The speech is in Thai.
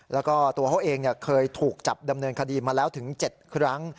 แล้วก็ตัวเขาเองเคยถูกจับดำเนินคดีมาแล้วถึง๗ครั้ง